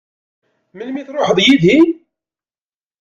Melmi i tṛuḥeḍ yid-i?